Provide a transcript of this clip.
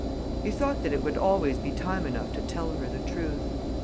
He thought that it would always be time enough to tell her the truth.